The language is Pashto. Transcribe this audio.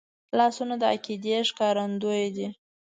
لاسونه د عقیدې ښکارندوی دي